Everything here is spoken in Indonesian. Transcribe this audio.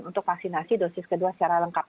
untuk vaksinasi dosis kedua secara lengkap